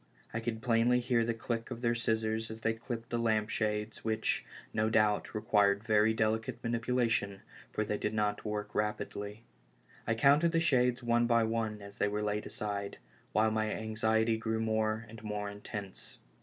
I could plainly hear the click of their scissors as they clipped the lampshades, which, no doubt, required very delicate manipulation, for they did. not work rapidly. I counted the shades one by one as they were laid aside, while my anxiety grew more and more intense.